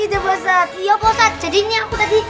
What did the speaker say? iya pak ustadz jadi ini aku tadi